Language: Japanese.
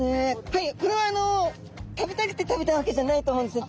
はいこれは食べたくて食べたわけじゃないと思うんですよ。